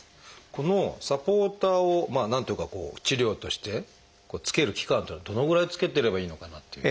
このサポーターを何ていうかこう治療としてつける期間っていうのはどのぐらいつけてればいいのかなっていう。